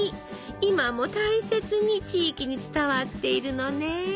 今も大切に地域に伝わっているのね。